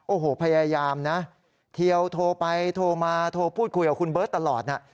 โอ้โหพยายามนะเทียวโทรไปโทรมาโทรพูดคุยกับคุณเบิร์ตตลอดนะ